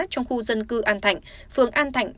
trong khu dân cư an thạnh phường an thạnh